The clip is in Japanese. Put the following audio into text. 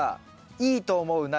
いいと思う苗。